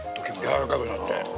やわらかくなって。